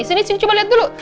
ya nih sini coba lihat dulu